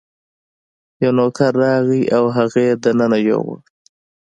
یو نوکر راغی او هغه یې دننه یووړ.